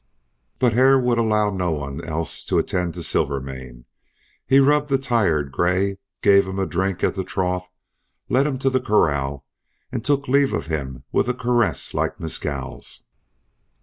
But Hare would allow no one else to attend to Silvermane. He rubbed the tired gray, gave him a drink at the trough, led him to the corral, and took leave of him with a caress like Mescal's.